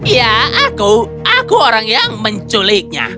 ya aku aku orang yang menculiknya